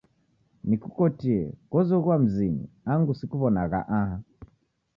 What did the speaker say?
Nikukotie kozoghua mzinyi angu sikuwonagha aha